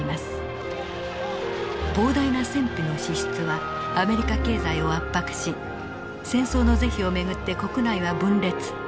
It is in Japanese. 膨大な戦費の支出はアメリカ経済を圧迫し戦争の是非を巡って国内は分裂。